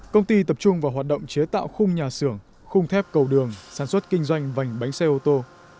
công ty tập trung vào hoạt động chế tạo khung nhà xưởng khung thép cầu đường sản xuất kinh doanh vành bánh xe ô tô